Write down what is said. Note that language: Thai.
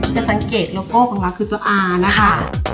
จะสังเกตโรโก้ของเราคือตัวอาร์นะคะ